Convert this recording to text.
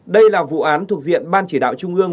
đây là vụ án thuộc diện ban chỉ đạo trung ương